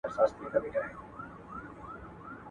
احمد شاه ابدالي څنګه د اړیکو ښه والی وساته؟